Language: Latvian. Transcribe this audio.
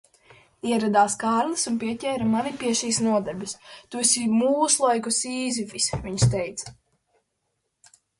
Ieradās Kārlis un pieķēra mani pie šīs nodarbes. "Tu esi mūslaiku Sīzifis", viņš teica.